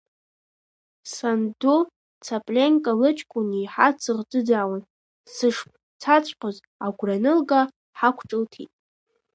Санду Цаԥленка лыҷкәын иеиҳа дсыхӡыӡаауан, сышцаҵәҟьоз агәра анылга, ҳақәҿылҭит…